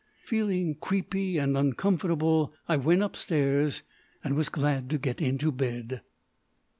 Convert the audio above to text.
Feeling creepy and uncomfortable, I went upstairs, and was glad to get into bed.